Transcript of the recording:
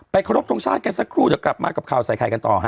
ไปขอรับจงชาติกันสักครู่เดี๋ยวกับขลาดกับค่าวใกล้ไขกันต่อฮะ